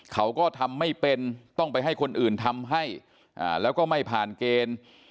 เขาก็ทำไม่เป็นต้องไปให้คนอื่นทำให้แล้วก็ไม่ผ่านเกณฑ์